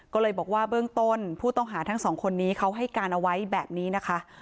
ก็เลยบอกว่าเบื้องต้นผู้ต้องหาทั้งสองคนนี้เขาให้การเอาไว้แบบนี้นะคะ